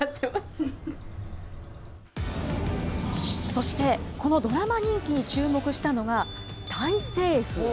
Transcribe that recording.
そして、このドラマ人気に注目したのがタイ政府。